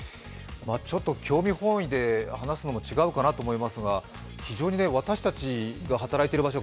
ちょっと興味本位で話すのも違うかなと思いますが非常に、私たちが働いてる場所